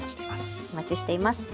お待ちしています。